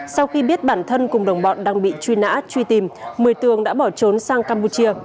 sau khi biết bản thân cùng đồng bọn đang bị truy nã truy tìm một mươi tường đã bỏ trốn sang campuchia